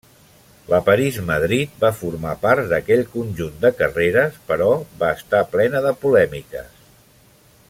La París-Madrid va formar part d'aquell conjunt de carreres, però va estar plena de polèmiques.